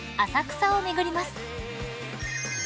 浅草を巡ります］